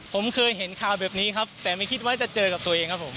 ผมเคยเห็นข่าวแบบนี้ครับแต่ไม่คิดว่าจะเจอกับตัวเองครับผม